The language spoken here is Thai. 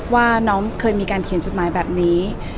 ว่าน้องเคยมีการเขียนจดหมายแบบนี้